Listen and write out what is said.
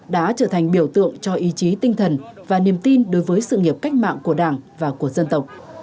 đã trở thành biểu tượng cho ý chí tinh thần và niềm tin đối với sự nghiệp cách mạng của đảng và của dân tộc